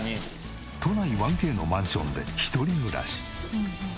都内１Ｋのマンションで一人暮らし。